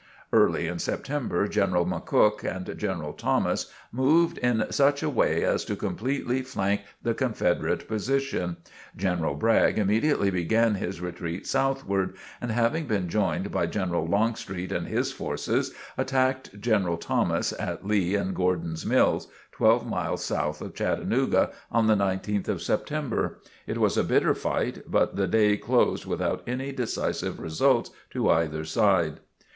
Early in September, General McCook and General Thomas moved in such a way as to completely flank the Confederate position. General Bragg immediately began his retreat southward, and having been joined by General Longstreet and his forces, attacked General Thomas at Lee and Gordon's Mills, twelve miles south of Chattanooga, on the 19th of September. It was a bitter fight, but the day closed without any decisive results to either side.